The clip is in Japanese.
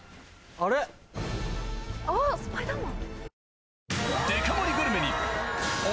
あっスパイダーマン。